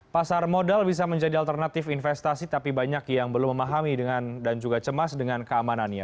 pasar modal bisa menjadi alternatif investasi tapi banyak yang belum memahami dan juga cemas dengan keamanannya